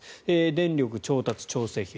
電力調達調整費